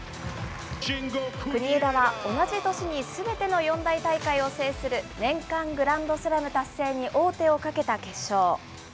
国枝は同じ年にすべての四大大会を制する、年間グランドスラム達成に王手をかけた決勝。